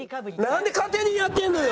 なんで勝手にやってんのよ！